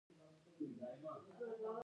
دروغ ویل څه زیان لري؟